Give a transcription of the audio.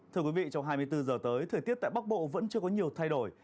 thưa quý vị trong hai mươi bốn giờ tới thời tiết tại bắc bộ vẫn chưa có nhiều thay đổi